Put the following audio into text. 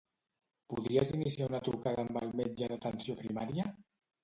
Podries iniciar una trucada amb el metge d'atenció primària?